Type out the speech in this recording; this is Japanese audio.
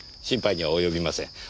心配には及びません。